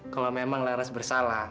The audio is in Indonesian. kalau memang laras bersalah